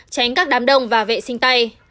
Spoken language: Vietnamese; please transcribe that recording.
tránh các đám đông và vệ sinh tay